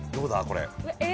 これ。